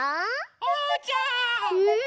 おうちゃん。